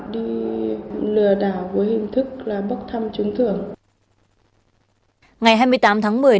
đi lừa đảo với hình thức là bước thăm trúng thưởng